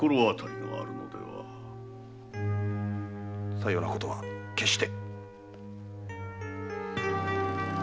さようなことは決して。